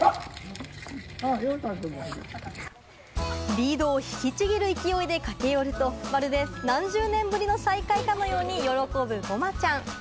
リードを引きちぎるいきおいで駆け寄ると、まるで何十年ぶりかの再会のように喜ぶ、ごまちゃん。